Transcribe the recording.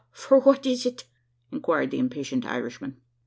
fwhat is it?" inquired the impatient Irishman.